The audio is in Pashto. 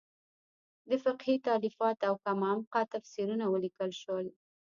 د فقهې تالیفات او کم عمقه تفسیرونه ولیکل شول.